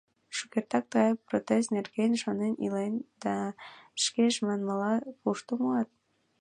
Шукертак тыгай протез нерген шонен илен, да, шкеж манмыла, кушто муат?